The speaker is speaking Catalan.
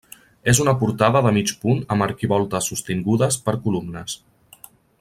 És una portada de mig punt amb arquivoltes sostingudes per columnes.